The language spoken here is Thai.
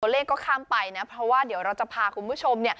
เลขก็ข้ามไปนะเพราะว่าเดี๋ยวเราจะพาคุณผู้ชม